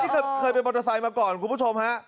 นี่เคยเป็นมอเตอร์ไซค์มาก่อนคุณผู้ชมฮะ